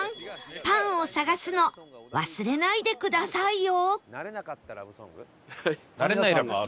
パンを探すの忘れないでくださいよ！